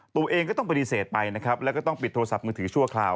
ตัวเองก็ต้องปฏิเสธไปนะครับแล้วก็ต้องปิดโทรศัพท์มือถือชั่วคราว